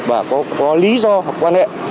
và có lý do hoặc quan hệ